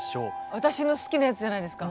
私の好きなやつじゃないですか。